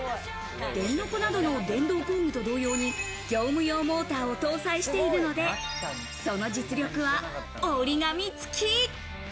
電ノコなどの電動工具と同様に、業務用モーターを搭載しているので、その実力は折り紙つき。